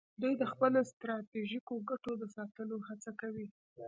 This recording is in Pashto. دوی د خپلو ستراتیژیکو ګټو د ساتلو هڅه کوي